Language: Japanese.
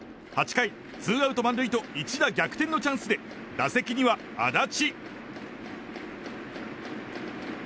８回、ツーアウト満塁と一打逆転のチャンスで打席には安達。